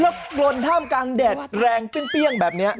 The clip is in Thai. ลบโครนข้ามกลางแดดแรงเปลี่ยงแบบนี้